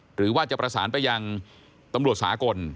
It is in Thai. หรือว่าจะประสานไปยังตำรวจสากล